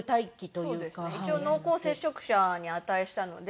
一応濃厚接触者に値したので。